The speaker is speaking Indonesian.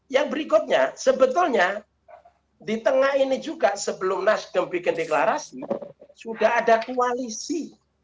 yang berikutnya sebetulnya di tengah ini juga sebelum nasdem bikin deklarasi sudah ada koalisi